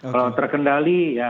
kalau terkendali ya